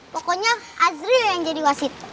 pokoknya azril yang jadi wasit